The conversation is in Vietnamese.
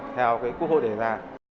theo cái quốc hội đề ra